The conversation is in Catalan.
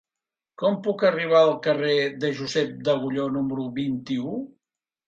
Com puc arribar al carrer de Josep d'Agulló número vint-i-u?